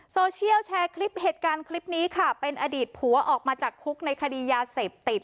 โซเชียลแชร์คลิปเหตุการณ์คลิปนี้ค่ะเป็นอดีตผัวออกมาจากคุกในคดียาเสพติด